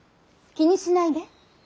気にしないで。